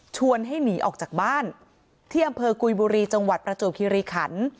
ให้หนีออกจากบ้านที่อำเภอกุยบุรีจังหวัดประจวบคิริขัน